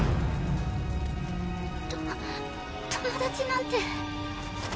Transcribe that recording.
と友達なんて